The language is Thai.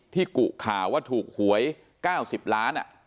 กุข่าวว่าถูกหวย๙๐ล้าน